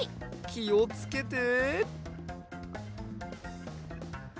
きをつけて！